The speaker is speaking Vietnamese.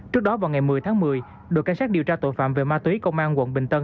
trước đó vào ngày một mươi tháng một mươi đội cảnh sát điều tra tội phạm về ma túy công an quận bình tân